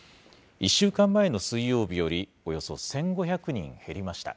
１週間前の水曜日よりおよそ１５００人減りました。